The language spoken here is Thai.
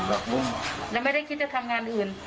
แล้วไม่ได้คิดจะทำงานอื่น